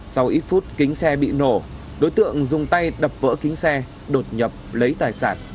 sau ít phút kính xe bị nổ đối tượng dùng tay đập vỡ kính xe đột nhập lấy tài sản